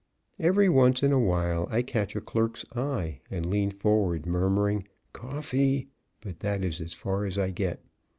Every once in a while I catch a clerk's eye and lean forward murmuring, "Coffee" but that is as far as I get.